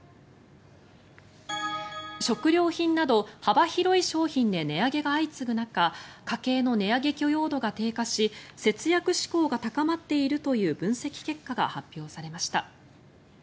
食料品など幅広い商品で値上げが相次ぐ中家計の値上げ許容度が低下し節約志向が高まっているという分析結果が発表されました。